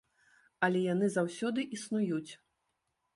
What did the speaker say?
Але яны заўсёды існуюць.